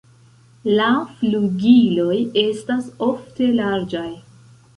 La flugiloj estas ofte larĝaj.